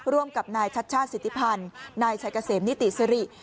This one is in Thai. ร่วมกับนายชัชชาติสิทธิพันธ์นายชัยเกษมนิติสิริ